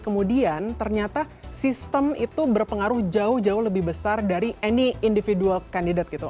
kemudian ternyata sistem itu berpengaruh jauh jauh lebih besar dari any individual candidat gitu